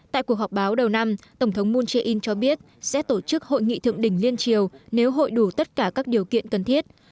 tại cuộc họp báo đầu năm tổng thống moon jae in cho biết sẽ tổ chức hội nghị thượng đỉnh liên triều nếu hội đủ tất cả các điều kiện cần thiết